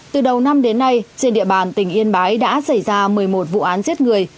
từ đầu năm đến nay trên địa bàn tỉnh yên bái đã xảy ra một mươi một vụ án giết người